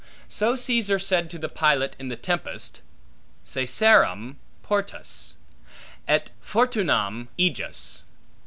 So Caesar said to the pilot in the tempest, Caesarem portas, et fortunam ejus.